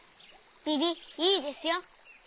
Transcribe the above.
ビビいいですよ。